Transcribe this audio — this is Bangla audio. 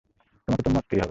তোমাকে তো মারতেই হবে।